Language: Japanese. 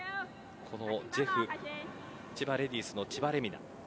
ジェフ千葉レディースの千葉玲海菜。